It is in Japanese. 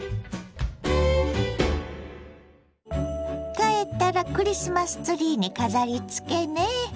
帰ったらクリスマスツリーに飾りつけね。